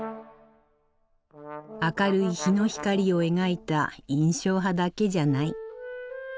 明るい日の光を描いた印象派だけじゃない。